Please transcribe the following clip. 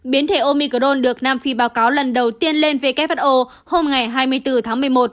biến thể omicron được nam phi báo cáo lần đầu tiên lên who hôm ngày hai mươi bốn tháng một mươi một